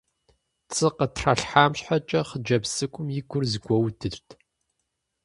ПцӀы къытралъхьам щхьэкӀэ хъыджэбз цӀыкӀум и гур зэгуэудырт.